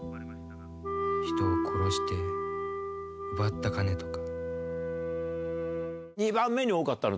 人を殺して奪った金とか